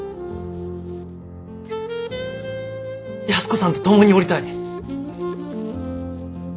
安子さんと共におりたい。